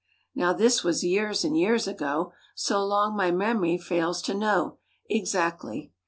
Now this was years and years ago; So long my mem'ry fails to know Exactly.